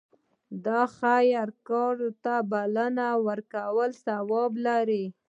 د خیر کار ته بلنه ورکول ثواب لري.